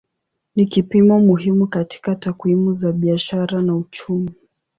Ni kipimo muhimu katika takwimu za biashara na uchumi.